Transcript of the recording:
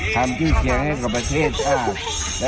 ความจี้เจอกับประเทศครับ